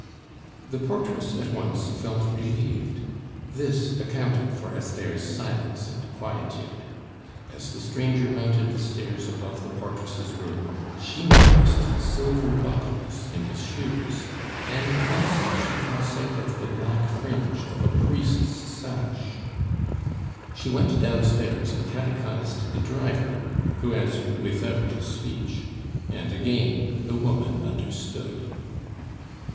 The portress at one felt relieved; this accounted for Esther's silence and quietude. As the stranger mounted the stairs above the portress' room, she noticed silver buckles in his shoes, and fancied she caught sight of the black fringe of a priest's sash; she went downstairs and catechised the driver, who answered without speech, and again the woman understood.